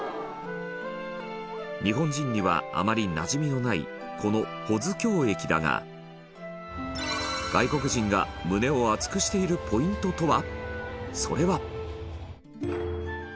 日本人にはあまり、なじみのないこの保津峡駅だが外国人が胸を熱くしているポイントとは？